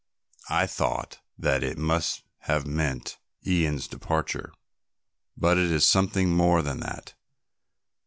I thought that it must have meant Ian's departure, but it is something more than that.